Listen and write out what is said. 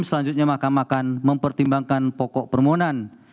selanjutnya mahkamah akan mempertimbangkan pokok permohonan